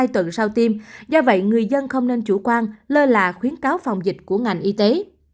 hai tuần sau tiêm do vậy người dân không nên chủ quan lơ là khuyến cáo phòng dịch của ngành y tế